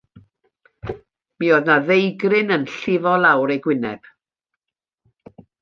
Mi oedd yna ddeigryn yn llifo lawr ei gwyneb.